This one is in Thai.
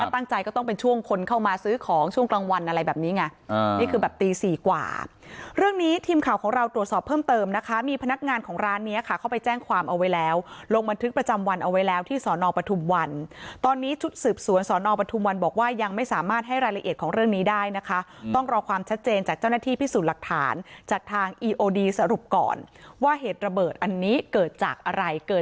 ตั้งใจก็ต้องเป็นช่วงคนเข้ามาซื้อของช่วงกลางวันอะไรแบบนี้ไงนี่คือแบบตี๔กว่าเรื่องนี้ทีมข่าวของเราตรวจสอบเพิ่มเติมนะคะมีพนักงานของร้านเนี้ยค่ะเข้าไปแจ้งความเอาไว้แล้วลงบันทึกประจำวันเอาไว้แล้วที่สอนอปทุมวันตอนนี้ชุดสืบสวนสอนอปทุมวันบอกว่ายังไม่สามารถให้รายละเอียดของเรื่องนี้ได